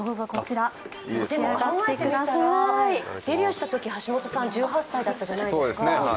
デビューしたとき、橋本さん１８歳だったじゃないですか。